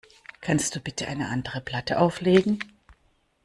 Kannst du bitte eine andere Platte auflegen?